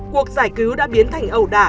cuộc giải cứu đã biến thành ẩu đả